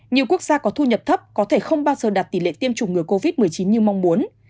nhiều quốc gia có thu nhập thấp có thể không bao giờ đạt tỷ lệ tiêm chủng ngừa covid một mươi chín như mong muốn